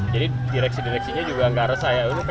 jadi direksi direksinya juga tidak resah